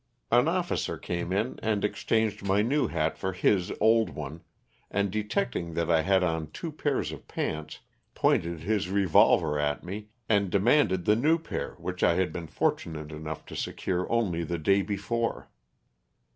An officer came in and ex changed my new hat for his old one, and detecting that I had on two pairs of pants pointed his revolver at me and demanded the new pair which I had been fortunate enough to secure only the day before.